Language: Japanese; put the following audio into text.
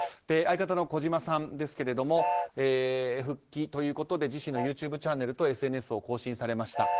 相方の児嶋さんですけれども復帰ということで自身のＹｏｕＴｕｂｅチャンネルとＳＮＳを更新されました。